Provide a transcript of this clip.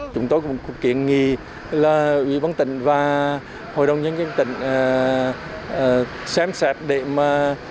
chúng tôi cũng kiện nghi là ủy ban tỉnh và hội đồng nhân dân tỉnh xem xét để mà